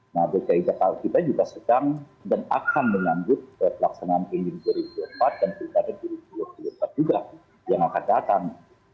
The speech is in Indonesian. nah dki jakarta kita juga sedang dan akan menanggut pelaksanaan indin dua ribu empat dan pemilu pada dua ribu dua puluh empat juga yang akan datang